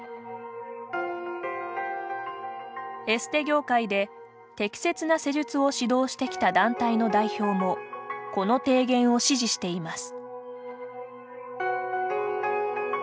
エステ業界で、適切な施術を指導してきた団体の代表もこの提言を支持しています。